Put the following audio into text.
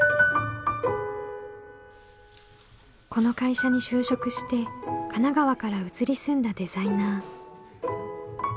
この会社に就職して神奈川から移り住んだデザイナー。